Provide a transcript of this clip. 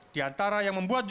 di antara yang membuatnya